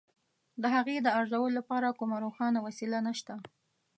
د هغې د ارزولو لپاره کومه روښانه وسیله نشته.